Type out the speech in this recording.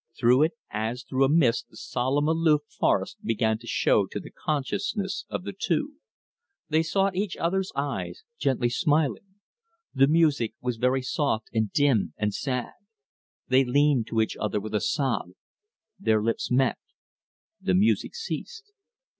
Through it as through a mist the solemn aloof forest began to show to the consciousness of the two. They sought each other's eyes gently smiling. The music was very soft and dim and sad. They leaned to each other with a sob. Their lips met. The music ceased.